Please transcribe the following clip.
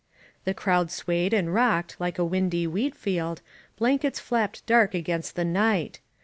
The crowd swayed and rocked like a windy wheat field, blankets flapped dark against the night.